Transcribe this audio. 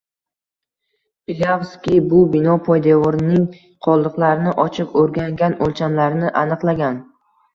Pilyavskiy bu bino poydevorining qoldiqlarini ochib oʻrgangan, oʻlchamlarini aniqlagan